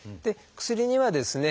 薬にはですね